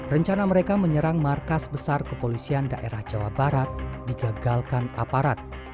rencana mereka menyerang markas besar kepolisian daerah jawa barat digagalkan aparat